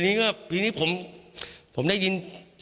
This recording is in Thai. เดี๋ยวก็พนนี้ผมได้ยิน